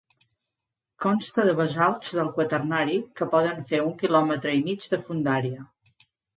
Consta de basalts del quaternari que poden fer un quilòmetre i mig de fondària.